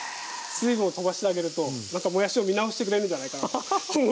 水分をとばしてあげるともやしを見直してくれるんじゃないかなと思って。